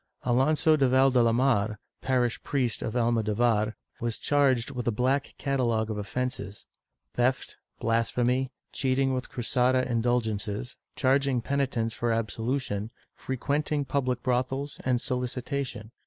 Alonso de Valdelamar, parish priest of Almo dovar, was charged with a black catalogue of offences — theft, blasphemy, cheating with Cruzada indulgences, charging penitents for absolution, frequenting public brothels and soHcitation.